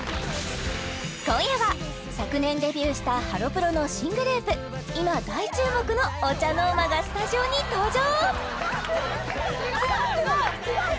今夜は昨年デビューしたハロプロの新グループ今大注目のＯＣＨＡＮＯＲＭＡがスタジオに登場